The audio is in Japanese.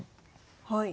はい。